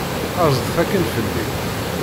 Aẓet akkin fell-i!